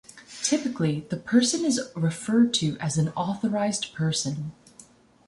Typically, the person is referred to as an authorised person.